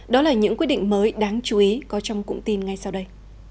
đó là những quyết định mới đáng chú ý có trong cụm tin ngay sau đây